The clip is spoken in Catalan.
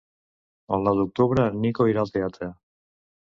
El nou d'octubre en Nico irà al teatre.